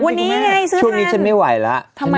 วันนี้เยอะกว่าสินะ